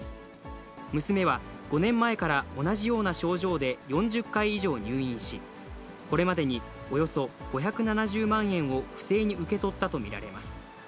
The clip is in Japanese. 娘は５年前から同じような症状で４０回以上入院し、これまでにおよそ５７０万円を不正に受け取ったと見られます。